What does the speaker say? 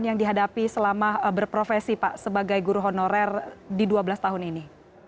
yang dihadapi selama berprofesi pak sebagai guru honorer di dua belas tahun ini